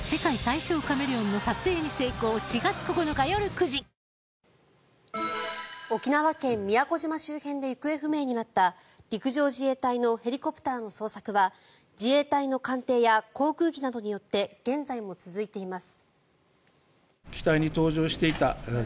そんな時はストレッチで受け流せるかもしれませんから沖縄県・宮古島周辺で行方不明になった陸上自衛隊のヘリコプターの捜索は自衛隊の艦艇や航空機などによって現在も続いています。